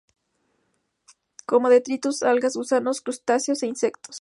Come detritus, algas, gusanos, crustáceos e insectos.